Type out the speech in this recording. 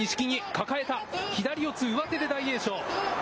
抱えた、左四つ、上手で大栄翔。